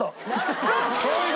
そういう事！